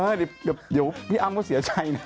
เดี๋ยวพี่อ้ำก็เสียใจนะ